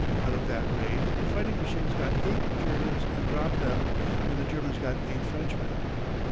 Out of that raid the fighting machines got eight Germans and dropped them, and the Germans got eight Frenchmen.